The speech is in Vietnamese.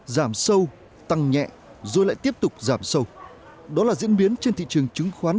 giảm sâu tăng nhẹ rồi lại tiếp tục giảm sâu đó là diễn biến trên thị trường chứng khoán